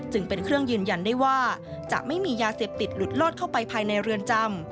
จึงเป็นเครื่องยืนยันได้ว่าจะไม่มียาเสพติดหลุดลอดเข้าไปภายในเรือนจำ